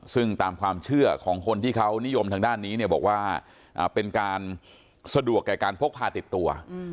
ซึ่งตามความเชื่อของคนที่เขานิยมทางด้านนี้เนี่ยบอกว่าเป็นการสะดวกแก่การพกพาติดตัว